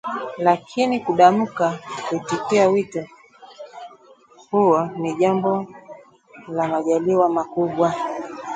lakini kudamka kuitikia wito huo ni jambo la majaliwa makubwa